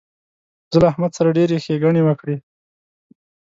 زه له احمد سره ډېرې ښېګڼې وکړې.